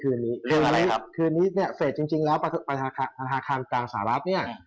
คืนนี้คืนนี้เนี่ยเฟสจริงแล้วประธานาคารกลางสหรัฐเนี่ย